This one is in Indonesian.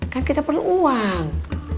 kan kita perlu uang